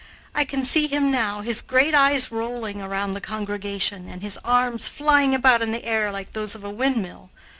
I can see him now, his great eyes rolling around the congregation and his arms flying about in the air like those of a windmill.